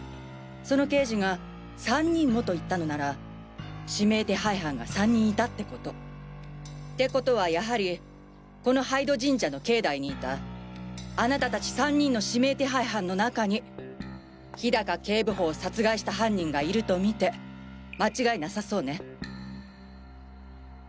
その刑事が「３人も」と言ったのなら指名手配犯が３人いたってこと。ってことはやはりこの杯戸神社の境内にいたあなた達３人の指名手配犯の中に氷高警部補を殺害した犯人がいると見て間違いなさそうね。